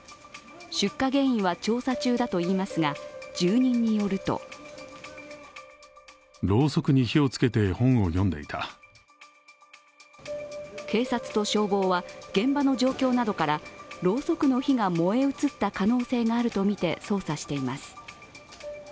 出火原因は調査中だといいますが住人によると警察と消防は現場の状況などからろうそくの火が燃え移った可能性があるとみて捜査しています。